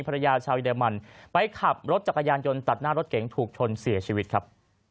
ภรรยาชาวเยอรมันไปขับรถจักรยานยนต์ตัดหน้ารถเก๋งถูกชนเสียชีวิตครับ